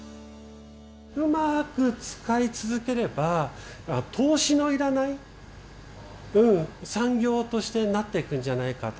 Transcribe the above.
うまく使い続ければ投資の要らない産業としてなっていくんじゃないかと。